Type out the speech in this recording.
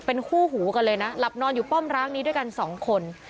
เป็นคู่หูกันเลยนะหลับนอนอยู่ป้อมร้างนี้ด้วยกันสองคน